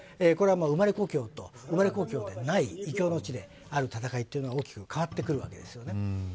これは生まれ故郷と生まれ故郷でない異郷の地である戦いというのが大きく変わってくるわけです。